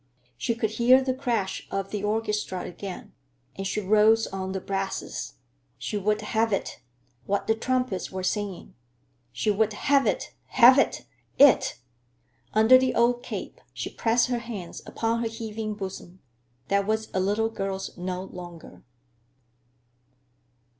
She could hear the crash of the orchestra again, and she rose on the brasses. She would have it, what the trumpets were singing! She would have it, have it,—it! Under the old cape she pressed her hands upon her heaving bosom, that was a little girl's no longer.